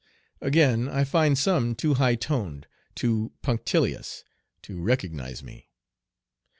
Again, I find some too high toned, too punctilious, to recognize me.